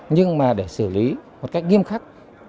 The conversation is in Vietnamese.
nhưng mà để xử lý một cách nghiêm khắc